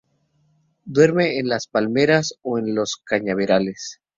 Duerme en las palmeras o en los cañaverales.